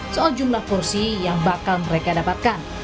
soal jumlah kursi yang bakal mereka dapatkan